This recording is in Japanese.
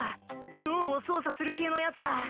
脳を操作する系のやつだ！